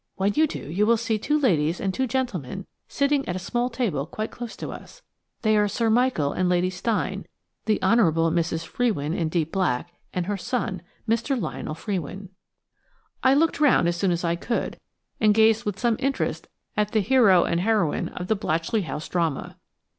When you do you will see two ladies and two gentlemen sitting at a small table quite close to us. They are Sir Michael and Lady Steyne, the Honourable Mrs. Frewin in deep black, and her son, Mr. Lionel Frewin." I looked round as soon as I could, and gazed with some interest at the hero and heroine of the Blatchley House drama.